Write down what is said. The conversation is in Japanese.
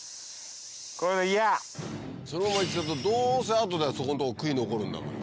そのまま行っちゃうとどうせ後でそこん所悔い残るんだから。